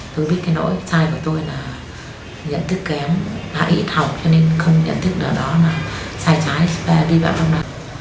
tôi biết cái nỗi sai của tôi là nhận thức kém hãi thọc cho nên không nhận thức được đó là sai trái và đi bạc lâm đồng